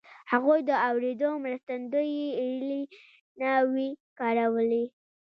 هغوی د اورېدو مرستندويي الې نه وې کارولې